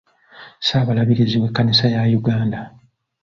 Ssaabalabirizi w’ekkanisa ya Uganda